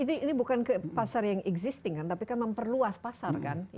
ini bukan ke pasar yang existing kan tapi kan memperluas pasar kan